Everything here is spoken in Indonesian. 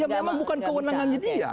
ya memang bukan kewenangan jadi ya